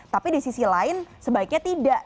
tapi di sisi lain sebaiknya tidak